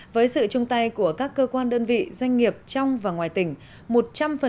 với sự chung tay của các cơ quan đơn vị doanh nghiệp trong và ngoài tỉnh